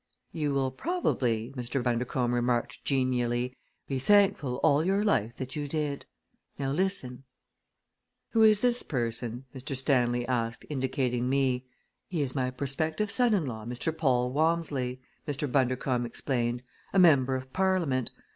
"You will probably," Mr. Bundercombe remarked genially, "be thankful all your life that you did. Now listen!" "Who is this person?" Mr. Stanley asked, indicating me. "He is my prospective son in law, Mr. Paul Walmsley," Mr. Bundercombe explained; "a member of Parliament.